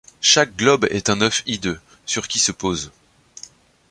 Chaque globe est un œuf hideux, sur qui se pose